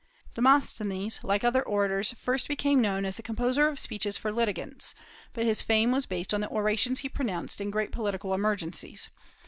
Demosthenes, like other orators, first became known as the composer of speeches for litigants; but his fame was based on the orations he pronounced in great political emergencies.